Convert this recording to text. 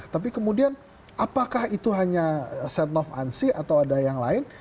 tapi kemudian apakah itu hanya setnov ansi atau ada yang lain